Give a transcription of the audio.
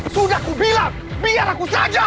sudah aku bilang biar aku saja